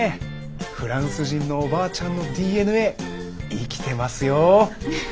フランス人のおばあちゃんのＤＮＡ生きてますよ。